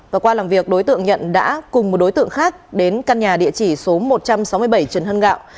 và qua làm việc đối tượng nhận đã cùng một đối tượng khác đến căn nhà địa chỉ số một trăm sáu mươi bảy trần hưng đạo